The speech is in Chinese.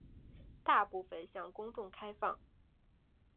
大部分向公众开放。